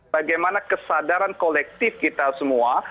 bagaimana kesadaran kolektif kita semua